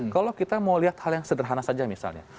kalau kita mau lihat hal yang sederhana saja misalnya